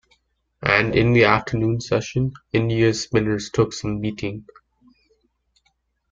And in the afternoon session, India's spinners took some beating.